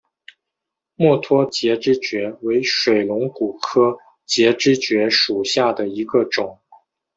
墨脱节肢蕨为水龙骨科节肢蕨属下的一个种。